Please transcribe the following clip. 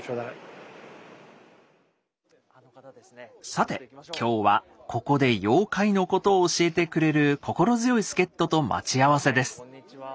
さて今日はここで妖怪のことを教えてくれる心強い助っ人と待ち合わせです。